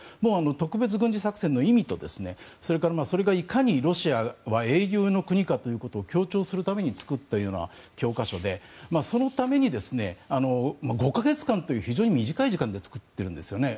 特別軍事作戦の意味とそれがいかにロシアは英雄の国かということを強調するために作ったような教科書で５か月間という非常に短い時間で作っているんですね。